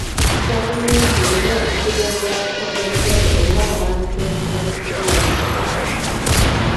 Gavumenti erina okuziba omuwaatwa gw'emmere ewe abantu ebikozesebwa ebimala.